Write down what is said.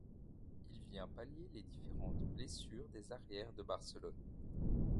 Il vient pallier les différentes blessures des arrières de Barcelone.